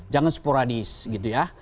jangan sporadis gitu ya